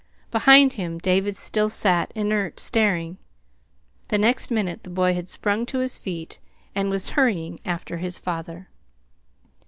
Behind him David still sat, inert, staring. The next minute the boy had sprung to his feet and was hurrying after his father.